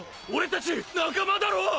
俺たち仲間だろ！